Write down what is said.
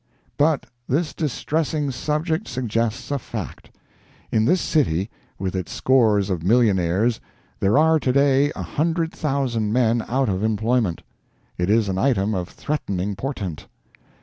But this distressing subject suggests a fact. In this city, with its scores of millionaires, there are to day a hundred thousand men out of employment. It is an item of threatening portent.